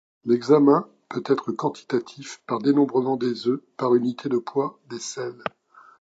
L'examen peut être quantitatif par dénombrement des œufs par unité de poids des selles.